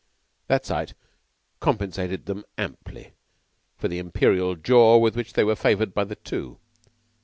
That sight compensated them amply for the Imperial Jaw with which they were favored by the two.